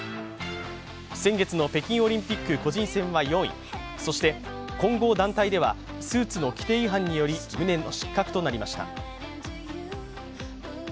先月の北京オリンピック個人戦は４位、そして、混合団体ではスーツの規定違反により無念の失格となりました。